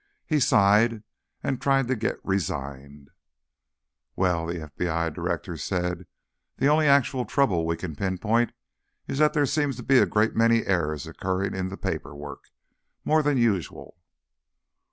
He sighed and tried to get resigned. "Well," the FBI director said, "the only actual trouble we can pinpoint is that there seem to be a great many errors occurring in the paperwork. More than usual."